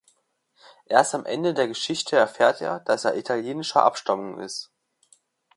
Erst am Ende der Geschichte erfährt er, dass er italienischer Abstammung ist.